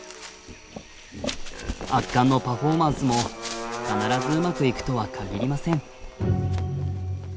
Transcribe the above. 圧巻のパフォーマンスも必ずうまくいくとは限りません。